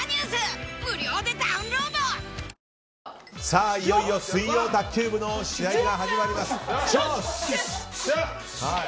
さあいよいよ水曜卓球部の試合が始まります。